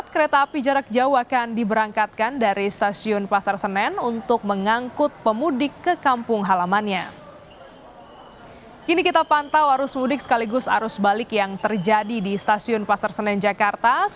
kereta api jarak jauh akan diberangkatkan dari stasiun pasar senen untuk mengangkut pemudik ke kampung halamannya